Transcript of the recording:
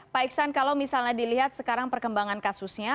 pak iksan kalau misalnya dilihat sekarang perkembangan kasusnya